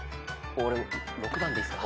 ６番でいいっすか？